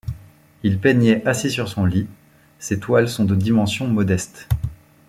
Il peignait assis sur son lit, ses toiles sont de dimensions modestes.